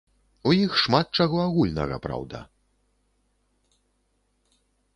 У іх шмат чаго агульнага, праўда.